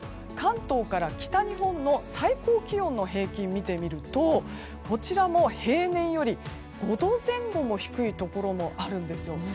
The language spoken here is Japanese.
特に濃い青、関東から北日本の最高気温の平均を見てみるとこちらも平年より５度前後も低いところもあるんですよ。